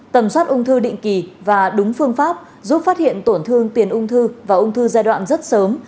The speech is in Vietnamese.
tầm soát ung thư định kỳ và đúng phương pháp giúp phát hiện tổn thương tiền ung thư và ung thư giai đoạn rất sớm